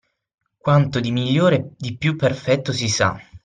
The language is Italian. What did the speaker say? Quanto di migliore e di più perfetto si sa